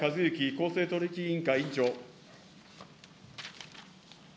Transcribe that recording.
公正取引委員会委員長。